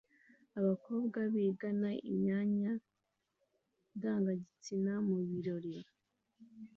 abakobwa bigana imyanya ndangagitsina mu birori